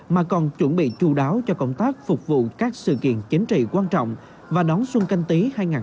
mà còn chuẩn bị chú đáo cho công tác phục vụ các sự kiện chính trị quan trọng và đón xuân canh tí hai nghìn hai mươi